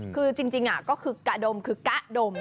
คือจริงก็คือกะดมคือกะดม